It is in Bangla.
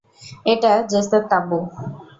এটা জেসের তাবু।